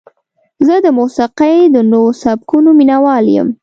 زه د موسیقۍ د نوو سبکونو مینهوال یم.